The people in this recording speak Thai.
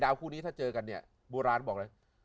ดาวผู้นี้ถ้าเจอกันบ่ราญจะบอกเลย